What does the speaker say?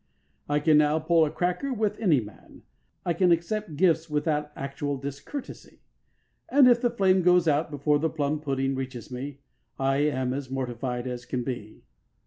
I can now pull a cracker with any man; I can accept gifts without actual discourtesy; and if the flame goes out before the plum pudding reaches me, I am as mortified as can be.